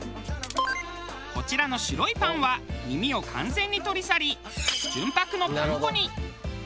こちらの白いパンは耳を完全に取り去り純白のパン粉に。